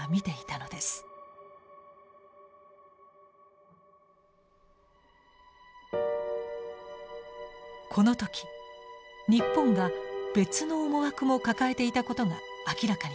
この時日本が別の思惑も抱えていたことが明らかになりました。